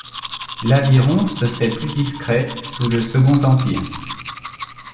Laviron se fait plus discret sous le Second Empire.